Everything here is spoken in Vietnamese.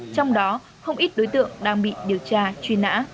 trong đó không ít đối tượng đang bị điều tra truy nã